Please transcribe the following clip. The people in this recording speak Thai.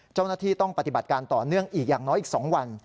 เจ้าหน้าที่ต้องปฏิบัติการต่อเนื่องอีกอย่างน้อยอีก๒วัน